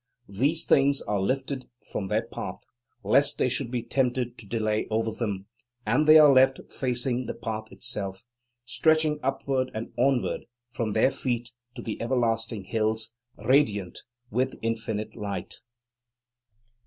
These things are lifted from their path, lest they should be tempted to delay over them, and they are left facing the path itself, stretching upward and onward from their feet to the everlasting hills, radiant with infinite Light.